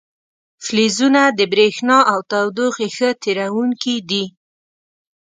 فلزونه د برېښنا او تودوخې ښه تیروونکي دي.